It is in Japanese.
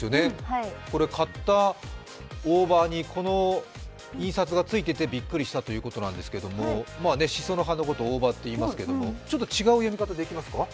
買った大葉にこの印刷が付いてて、びっくりしたということなんですけれども、しその葉のことを大葉って言いますけど、ちょっと違う読み方できますか？